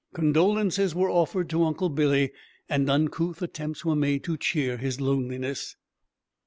Condolences were offered to Uncle Billy, and uncouth attempts were made to cheer his loneliness.